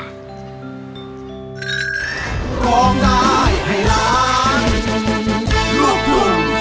เพลงเก่งของคุณครับ